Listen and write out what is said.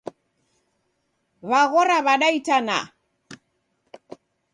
W'aghora w'ada itanaha?